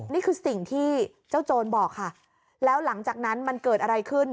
นี่คือสิ่งที่เจ้าโจรบอกค่ะแล้วหลังจากนั้นมันเกิดอะไรขึ้น